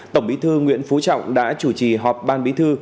tổng bí thư nguyễn phú trọng đã chủ trì họp ban bí thư